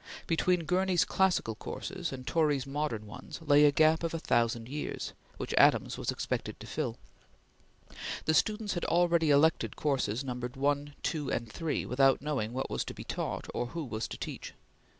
Between Gurney's classical courses and Torrey's modern ones, lay a gap of a thousand years, which Adams was expected to fill. The students had already elected courses numbered 1, 2, and 3, without knowing what was to be taught or who was to teach.